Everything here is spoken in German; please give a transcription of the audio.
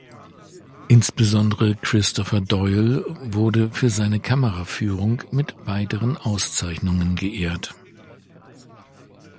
Insbesondere Christopher Doyle wurde für seine Kameraführung mit weiteren Auszeichnungen geehrt.